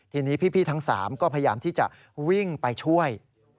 ทีนี้พี่ทั้ง๓ก็พยายามที่จะวิ่งไปช่วย